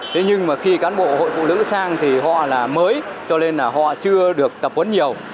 thế nhưng mà khi cán bộ hội phụ nữ sang thì họ là mới cho nên là họ chưa được tập huấn nhiều